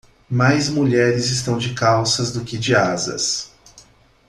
Mais mulheres estão de calças do que de asas.